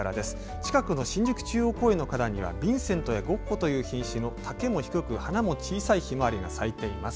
近くの新宿中央公園の花壇にはビンセントやゴッホという品種の丈も低く花も小さいヒマワリが咲いています。